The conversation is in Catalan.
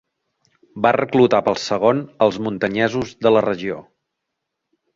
Va reclutar pel segon als muntanyesos de la regió.